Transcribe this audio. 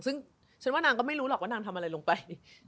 ซึ่งฉันว่านางก็ไม่รู้หรอกว่านางทำอะไรลงไป